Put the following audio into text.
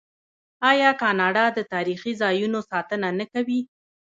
آیا کاناډا د تاریخي ځایونو ساتنه نه کوي؟